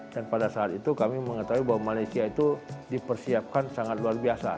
dan pada saat itu kami mengetahui bahwa malaysia itu dipersiapkan sangat luar biasa